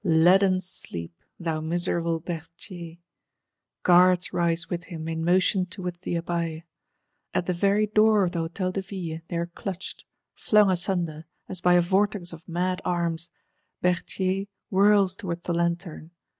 Leaden sleep, thou miserable Berthier! Guards rise with him, in motion towards the Abbaye. At the very door of the Hôtel de Ville, they are clutched; flung asunder, as by a vortex of mad arms; Berthier whirls towards the Lanterne.